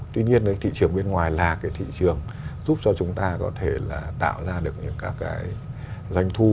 tuy nhiên thị trường bên ngoài là cái thị trường giúp cho chúng ta có thể là tạo ra được những các cái doanh thu